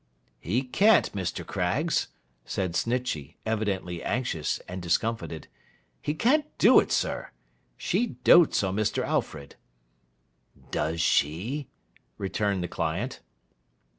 'He can't, Mr. Craggs,' said Snitchey, evidently anxious and discomfited. 'He can't do it, sir. She dotes on Mr. Alfred.' 'Does she?' returned the client.